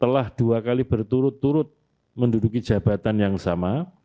telah dua kali berturut turut menduduki jabatan yang sama